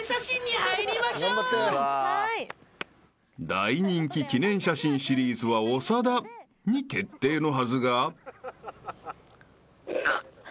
［大人気記念写真シリーズは長田に決定のはずが］